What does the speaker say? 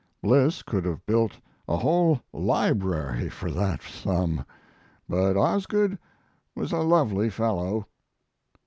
"Bliss could have built a whole library, for that sum. But Osgood was a lovely fellow."